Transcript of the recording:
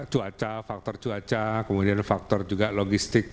cuaca faktor cuaca kemudian faktor juga logistik